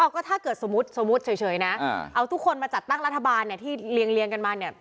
ก็ถ้าเกิดสมมุติเฉยนะเอาทุกคนมาจัดตั้งรัฐบาลเนี่ยที่เรียงกันมาเนี่ย